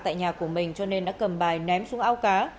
tại nhà của mình cho nên đã cầm bài ném xuống ao cá